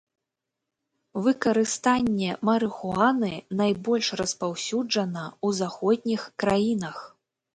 Выкарыстанне марыхуаны найбольш распаўсюджана ў заходніх краінах.